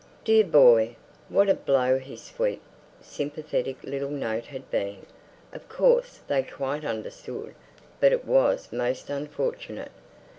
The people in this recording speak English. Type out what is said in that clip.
Dear boy! What a blow his sweet, sympathetic little note had been! Of course they quite understood; but it was most unfortunate.